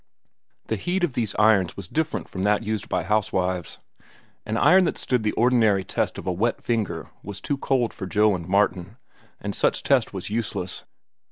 The heat of these irons was different from that used by housewives. An iron that stood the ordinary test of a wet finger was too cold for Joe and Martin, and such test was useless.